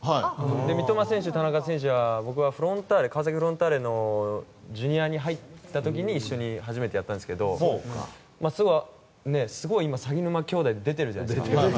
三笘選手、田中選手は川崎フロンターレのジュニアに一緒に入った時に初めてやったんですけど結構、鷺沼兄弟出ているじゃないですか。